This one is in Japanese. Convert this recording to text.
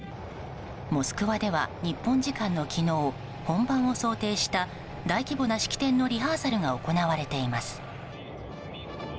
モスクワでは日本時間の昨日本番を想定した大規模な式典のリハーサルが行われています。